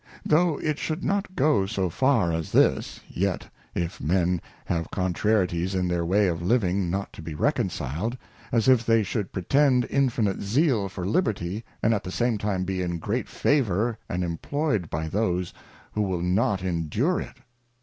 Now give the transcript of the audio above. _ Though it should not go so far as this, yet if Men have contrarieties in their ivay of living not to be reconciled ; as if they should pretend infinite zeal for liberty, and at that time be in great favour and imployed by those who will not endure it.